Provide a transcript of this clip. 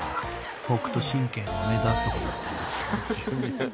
［北斗神拳を出すとこだったよ］